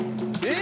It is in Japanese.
え？